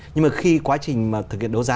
nhưng mà khi quá trình thực hiện đấu giá